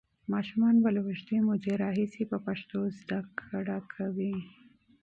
ماشومان به له اوږدې مودې راهیسې په پښتو زده کړه کوي.